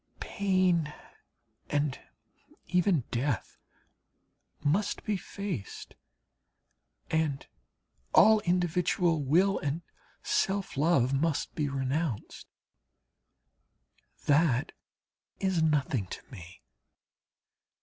Pain and even death must be faced, and all individual will and self love must be renounced. That is nothing to me.